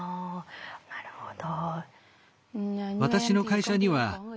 なるほど。